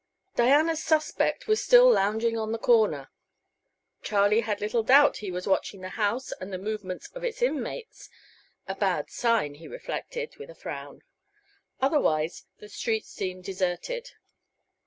Diana's suspect was still lounging on the corner. Charlie had little doubt he was watching the house and the movements of its in mates a bad sign, he reflected, with a frown. Otherwise the street seemed deserted.